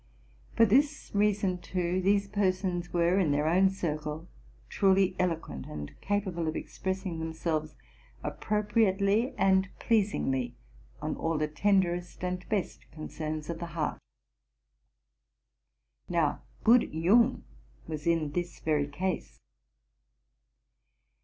For this reason, too, these persons were, in their own circle, truly eloquent, and capable of expressing themselves appropriately and pleasingly on all the tenderest and best concerns of the heart. Now, good Jung was in this very case.